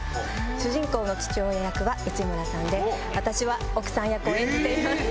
主人公の父親役は内村さんで私は奥さん役を演じています。